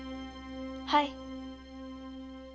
はい。